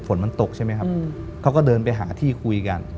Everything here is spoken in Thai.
ฝนมันตกใช่ไหมครับเขาก็เดินไปหาที่คุยกัน